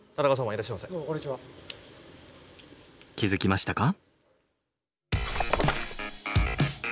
気付きましたか？